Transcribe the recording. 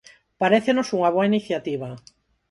Parécenos unha boa iniciativa.